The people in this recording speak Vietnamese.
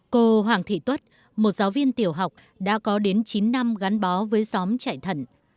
cô hoàng thị tuất một giáo viên tiểu học đã có đến chín năm gắn bó với xóm chạy thận